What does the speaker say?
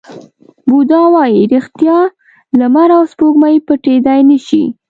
بودا وایي ریښتیا، لمر او سپوږمۍ پټېدای نه شي.